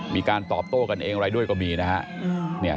มีการตอบโต้กันเองอะไรด้วยก็มีนะฮะ